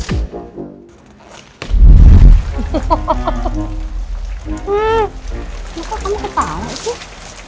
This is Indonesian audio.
kenapa kamu ketawa sih